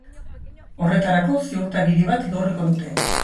Horretarako, ziurtagiri bat igorriko dute.